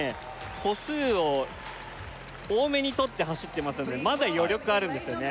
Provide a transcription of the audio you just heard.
歩数を多めにとって走ってますんでまだ余力あるんですよね